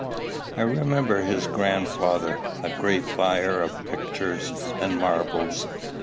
I remember his grandfather, a great buyer of pictures and marbles."